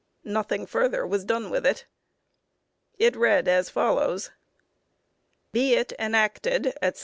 Nothing further was done with it. It read as follows: _Be it enacted, etc.